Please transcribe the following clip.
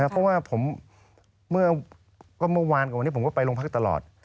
เพราะว่าผมเมื่อเมื่อวานกว่าวันนี้ผมก็ไปลงพักตลอด